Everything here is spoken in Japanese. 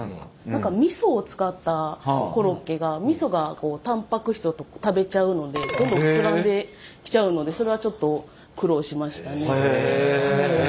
何かみそを使ったコロッケがみそがタンパク質を食べちゃうのでどんどん膨らんできちゃうのでそれはちょっと苦労しましたね。